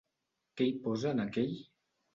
Què hi posa en aquell.?